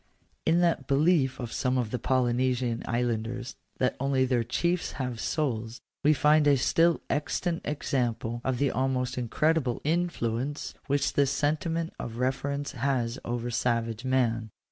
In that belief of some of the Polynesian Islanders that only their chiefs have souls, we find a still ex tant example of the almost incredible influence which this sentiment of reverence has over savage men.